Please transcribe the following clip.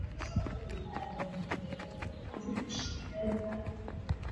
matumizi ya viazi lishe ni zaidi ya kuchemsha tu